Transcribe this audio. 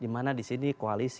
dimana disini koalisi